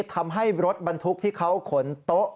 ทำให้รถบรรทุกที่เขาขนโต๊ะ